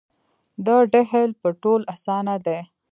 د ډهل پټول اسانه دي .